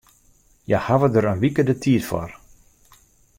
Hja hawwe dêr in wike de tiid foar.